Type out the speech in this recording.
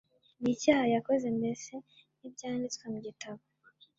n'icyaha yakoze mbese ntibyanditswe mu gitabo